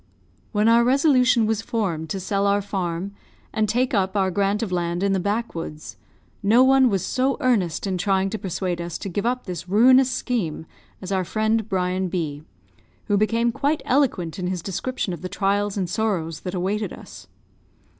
When our resolution was formed to sell our farm, and take up our grant of land in the backwoods, no one was so earnest in trying to persuade us to give up this ruinous scheme as our friend Brian B , who became quite eloquent in his description of the trials and sorrows that awaited us.